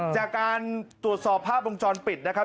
จากการตรวจสอบภาพวงจรปิดนะครับ